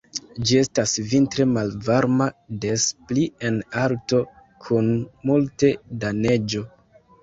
Ĝi estas vintre malvarma des pli en alto, kun multe da neĝo.